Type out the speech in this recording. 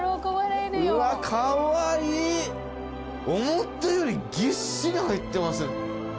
思ったよりぎっしり入ってます。